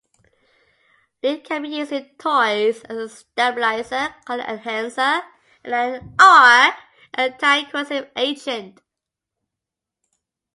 Lead can be used in toys as a stabilizer, color enhancer, or anti-corrosive agent.